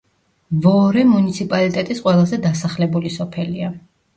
ვოორე მუნიციპალიტეტის ყველაზე დასახლებული სოფელია.